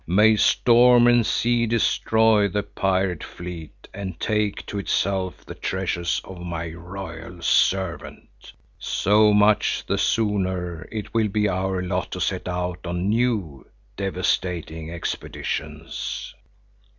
May storm and sea destroy the pirate fleet and take to itself the treasures of my royal servant! So much the sooner it will be our lot to set out on new devastating expeditions."